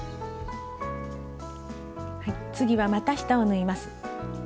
次はまた下を縫います。